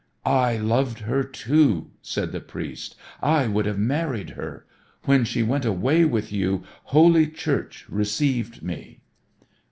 "I loved her, too," said the priest. "I would have married her. When she went away with you Holy Church received me."